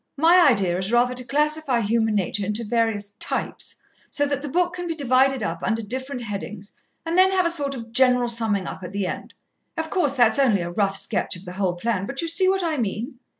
My idea is rather to classify human nature into various types, so that the book can be divided up under different headings, and then have a sort of general summing up at the end. Of course, that's only a rough sketch of the whole plan, but you see what I mean?"